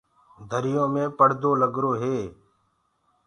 دريو مي پڙدآ لگرآ هينٚ۔